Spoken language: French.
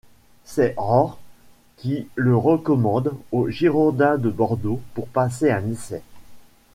C'est Rohr qui le recommande aux Girondins de Bordeaux pour passer un essai.